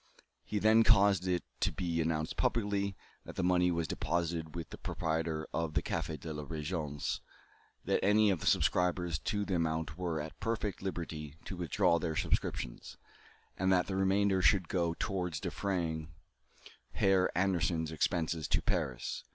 He then caused it to be announced publicly, that the money was deposited with the proprietor of the Café de la Régence, that any of the subscribers to the amount were at perfect liberty to withdraw their subscriptions, and that the remainder should go towards defraying Herr Anderssen's expenses to Paris.